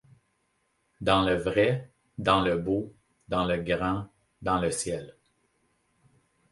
Dans le vrai ; dans le beau, dans le grand, dans le ciel